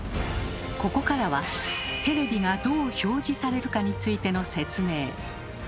ここからはテレビがどう「表示」されるかについての説明。